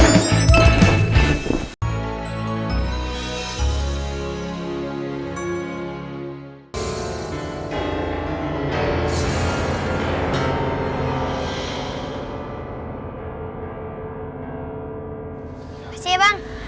masih ya bang